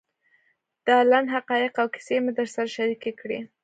دا لنډ حقایق او کیسې مې در سره شریکې کړې.